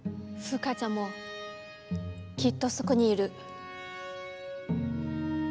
フウカちゃんもきっとそこにいる。